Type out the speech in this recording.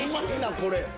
これ。